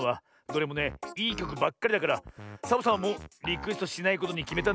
どれもねいいきょくばっかりだからサボさんはもうリクエストしないことにきめたんだ。